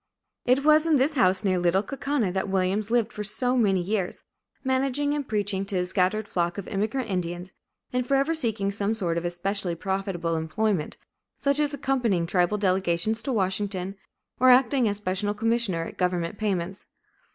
It was in this house near Little Kaukauna that Williams lived for so many years, managing and preaching to his scattered flock of immigrant Indians, and forever seeking some sort of especially profitable employment, such as accompanying tribal delegations to Washington, or acting as special commissioner at government payments.